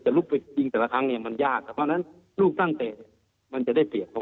แต่ลูกเต็กจริงแต่ละครั้งเนี้ยมันยากครับเพราะฉะนั้นลูกตั้งเต็กมันจะได้เปลี่ยนตกครับ